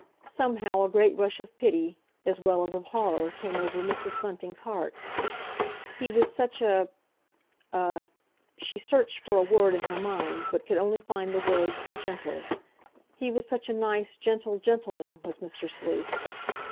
Somehow, a great rush of pity, as well as of horror, came over Mrs. Bunting's heart. He was such a—a—she searched for a word in her mind, but could only find the word "gentle"—he was such a nice, gentle gentleman, was Mr. Sleuth.